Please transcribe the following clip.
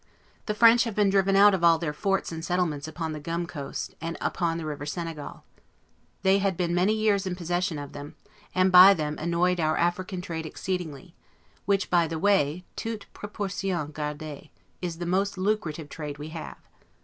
The French have been driven out of all their forts and settlements upon the Gum coast, and upon the river Senegal. They had been many years in possession of them, and by them annoyed our African trade exceedingly; which, by the way, 'toute proportion gardee', is the most lucrative trade we have.